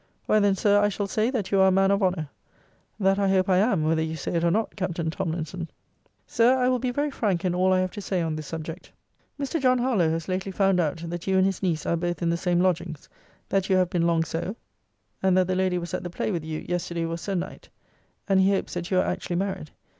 Why then, Sir, I shall say, that you are a man of honour. That I hope I am, whether you say it or not, Captain Tomlinson. Sir, I will be very frank in all I have to say on this subject Mr. John Harlowe has lately found out, that you and his niece are both in the same lodgings; that you have been long so; and that the lady was at the play with you yesterday was se'nnight; and he hopes that you are actually married.